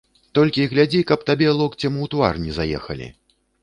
Толькі і глядзі, каб табе локцем ў твар не заехалі.